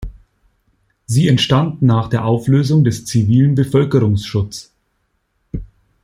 Sie entstand nach der Auflösung des „zivilen Bevölkerungsschutz“.